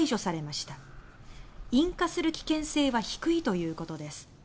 引火する危険性は低いということです。